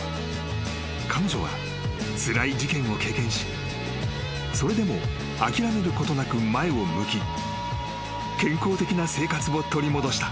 ［彼女はつらい事件を経験しそれでも諦めることなく前を向き健康的な生活を取り戻した］